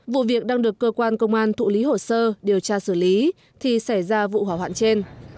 vụ việc đang được cơ quan công an thụ lý hồ sơ điều tra xử lý thì xảy ra vụ hỏa hoạn trên